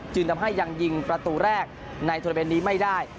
จึงทำให้ยังยิงประตูแรกในธุรกิจนี้ไม่ได้